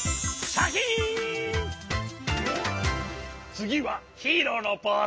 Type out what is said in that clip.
つぎはヒーローのポーズだ。